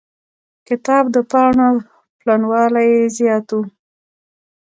کتاب د پاڼو پلنوالی يې زيات و.